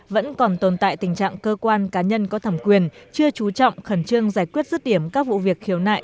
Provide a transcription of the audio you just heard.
vẫn còn tồn tại tình trạng cơ quan cá nhân có thẩm quyền chưa trú trọng khẩn trương giải quyết rứt điểm các vụ việc khiếu nại